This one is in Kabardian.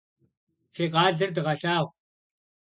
Fi khaler dığelhağu.